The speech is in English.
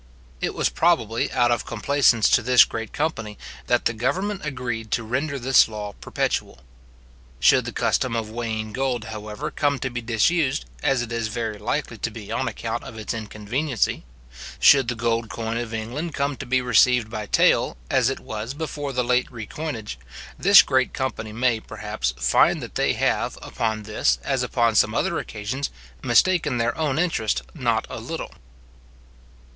It was probably out of complaisance to this great company, that the government agreed to render this law perpetual. Should the custom of weighing gold, however, come to be disused, as it is very likely to be on account of its inconveniency; should the gold coin of England come to be received by tale, as it was before the late recoinage this great company may, perhaps, find that they have, upon this, as upon some other occasions, mistaken their own interest not a little.